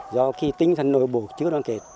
do khi tinh thần nội bộ chưa đoàn kết